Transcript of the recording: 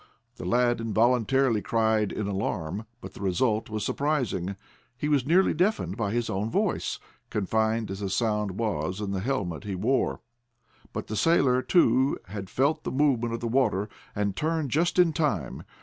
The lad involuntarily cried in alarm, but the result was surprising. He was nearly deafened by his own voice, confined as the sound was in the helmet he wore. But the sailor, too, had felt the movement of the water, and turned just in time.